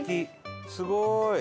すごい！